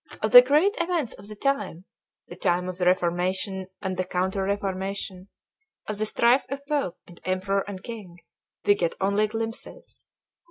Of the great events of the time, the time of the Reformation and the Counter Reformation, of the strife of Pope and Emperor and King, we get only glimpses.